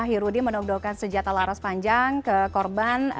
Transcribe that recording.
hirudi menegurkan sejata laras panjang ke korban